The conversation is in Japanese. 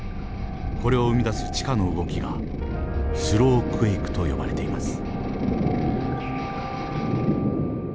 これを生み出す地下の動きがスロークエイクと呼ばれています。